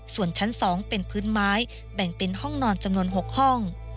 ส่วนชั้น๒เป็นพื้นไม้แบ่งเป็นห้องนอนจำนวน๖ห้อง